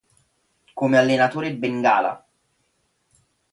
Come allenatore Bengala.